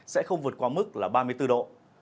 sẽ không vượt qua mức là ba mươi bốn độ